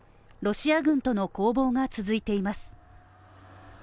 ロシア軍との攻防が続いています。